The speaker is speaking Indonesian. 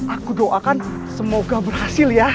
aku doakan semoga berhasil ya